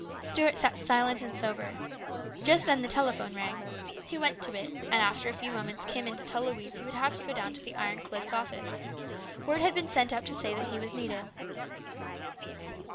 Stuart sat silent and sober. Just then the telephone rang. He went to it, and after a few moments came in to tell Louise he would have to go down to the Iron Cliff's office. Word had been sent up that he was needed.